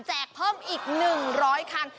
เพิ่มอีก๑๐๐คัน